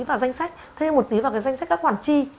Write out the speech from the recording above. vào danh sách thêm một tí vào danh sách các quản tri